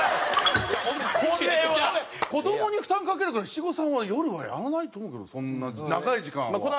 子どもに負担かけるから七五三は夜はやらないと思うけどそんな長い時間は。